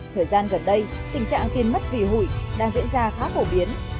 thời gian gần đây tình trạng kiên mất vì hủy đang diễn ra khá phổ biến